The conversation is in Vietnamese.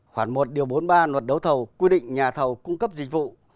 khoảng một điều bốn mươi ba luật đấu thầu quy định nhà thầu cung cấp dịch vụ